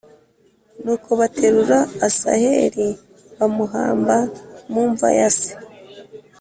Nuko baterura Asaheli bamuhamba mu mva ya se